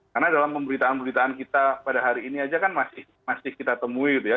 karena dalam pemberitaan pemberitaan kita pada hari ini aja kan masih kita temui gitu ya